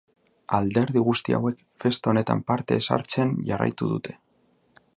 Alderdi guzti hauek, festa honetan parte ez hartzen jarraitu dute.